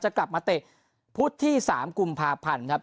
กลับมาเตะพุธที่๓กุมภาพันธ์ครับ